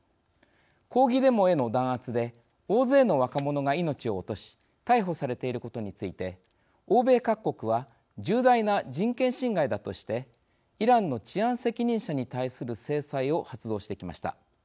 抗議デモへの弾圧で大勢の若者が命を落とし逮捕されていることについて欧米各国は重大な人権侵害だとしてイランの治安責任者に対する制裁を発動してきました。